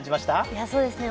いやそうですね